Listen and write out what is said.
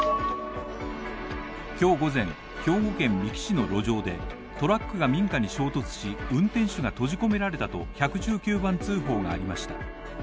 今日午前、兵庫県三木市の路上でトラックが民家に衝突し運転手が閉じ込められたと１１９番通報がありました。